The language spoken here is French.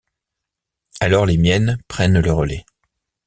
Alors les miennes prennent le relais.